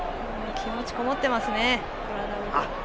気持ちがこもっていますね。